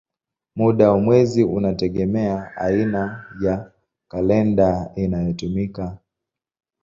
Muda wa mwezi unategemea aina ya kalenda inayotumika.